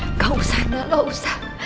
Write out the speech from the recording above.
enggak usah nal gak usah